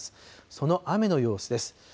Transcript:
その雨の様子です。